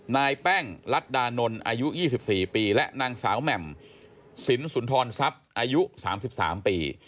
นายแป้งรัฐดานนท์อายุยี่สิบสี่ปีและนางสาวแหม่มสินสุนทรทรัพย์อายุสามสิบสามปี